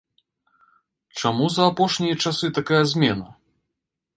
Чаму за апошнія часы такая змена?